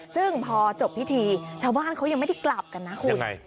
ซึ่งพอจบพิธีชาวบ้านเขายังไม่ได้กลับกันนะคุณ